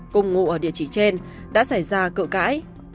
cùng ngụ ở địa chỉ trên đã xảy ra cự cãi